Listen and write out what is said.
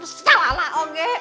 setara lah oke